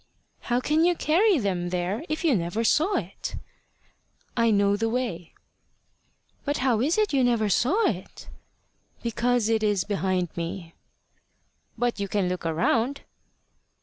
"How can you carry them there if you never saw it?" "I know the way." "But how is it you never saw it?" "Because it is behind me." "But you can look round."